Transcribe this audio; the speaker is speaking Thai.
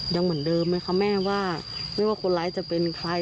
ยังเหมือนเดิมไหมคะแม่ว่าไม่ว่าคนร้ายจะเป็นใคร